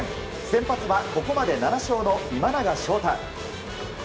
先発はここまで７勝の今永昇太。